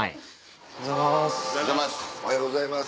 おはようございます。